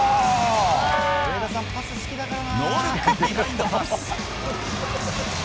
ノールックビハインドバックパス。